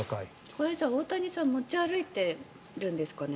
これは大谷さんは持ち歩いてるんですかね？